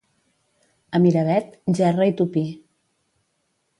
A Miravet, gerra i tupí.